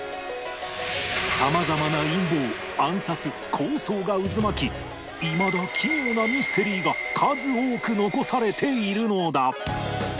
様々な陰謀暗殺抗争が渦巻きいまだ奇妙なミステリーが数多く残されているのだ